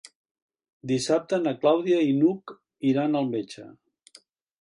Dissabte na Clàudia i n'Hug iran al metge.